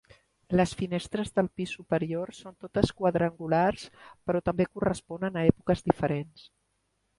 Les finestres del pis superior són totes quadrangulars però també corresponen a èpoques diferents.